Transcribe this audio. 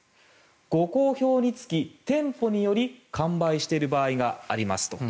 ご好評につき店舗により完売している場合がありますと。